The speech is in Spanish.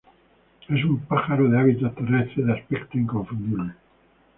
Es un pájaro de hábitos terrestres de aspecto inconfundible.